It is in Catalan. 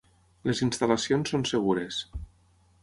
Les instal·lacions són segures.